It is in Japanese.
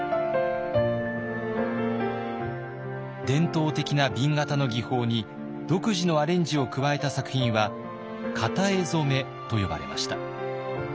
伝統的な紅型の技法に独自のアレンジを加えた作品は型絵染と呼ばれました。